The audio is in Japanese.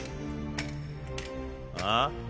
ああ？